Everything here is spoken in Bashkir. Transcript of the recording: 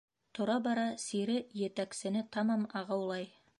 Тора-бара сире етәксене тамам ағыулай.